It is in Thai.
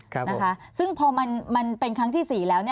ค่ะนะคะซึ่งพอมันเป็นครั้งที่๔แล้ว